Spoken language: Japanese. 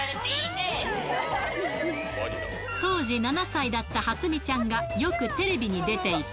当時７歳だったはつみちゃんが、よくテレビに出ていた。